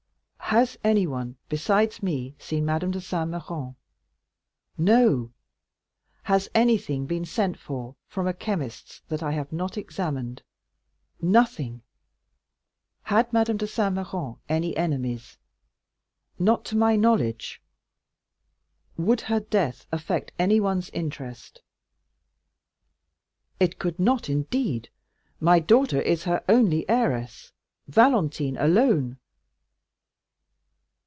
"Has anyone besides me seen Madame de Saint Méran?" "No." "Has anything been sent for from a chemist's that I have not examined?" "Nothing." "Had Madame de Saint Méran any enemies?" "Not to my knowledge." "Would her death affect anyone's interest?" "It could not indeed, my daughter is her only heiress—Valentine alone.